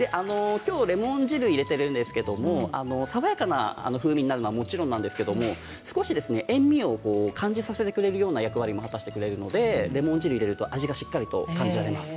きょうは、レモン汁を入れているんですけれども爽やかな風味になるのはもちろんなんですが少し、塩みを感じさせてくれるような役割を果たしてくれるのでレモン汁を入れると味がしっかりと感じられます。